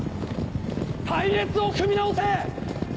隊列を組み直せ！